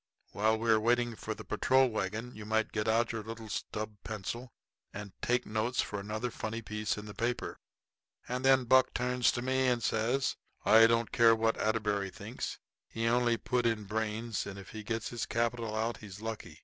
While we are waiting for the patrol wagon you might get out your little stub pencil and take notes for another funny piece in the paper." And then Buck turns to me and says: "I don't care what Atterbury thinks. He only put in brains, and if he gets his capital out he's lucky.